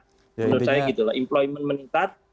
menurut saya gitu loh employment meningkat